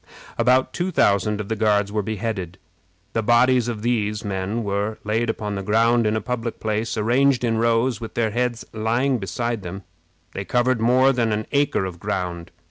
] About two thousand of the Guards were beheaded. The bodies of these men were laid upon the ground in a public place, arranged in rows, with their heads lying beside them. They covered more than an acre of ground.